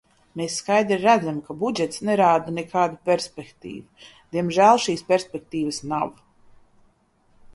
Mēs skaidri redzam, ka budžets nerāda nekādu perspektīvu, diemžēl šīs perspektīvas nav.